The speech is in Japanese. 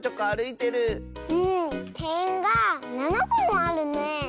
てんが７こもあるねえ。